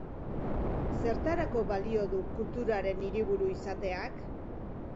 Zertarako balio du kulturaren hiriburu izateak?